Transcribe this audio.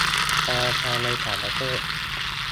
ธนาคารในต่างประเทศ